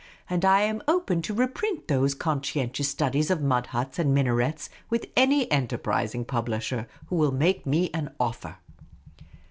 And I am open to reprint those conscientious studies of mud huts and minarets with any enterprising publisher who will make me an offer.